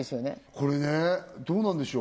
これねどうなんでしょう